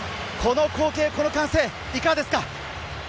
この光景、この歓声いかがですか？